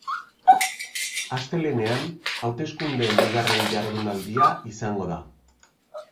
Astelehenean hauteskundeen bigarren jardunaldia izango da.